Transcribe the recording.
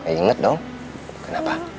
ya inget dong kenapa